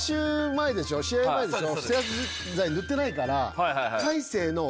試合前でしょ？